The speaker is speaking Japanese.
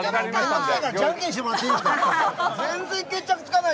面倒くさいからじゃんけんしてもらっていいですか。